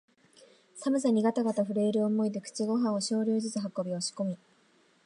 寒さにがたがた震える思いで口にごはんを少量ずつ運び、押し込み、